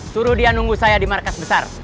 suruh dia nunggu saya di markas besar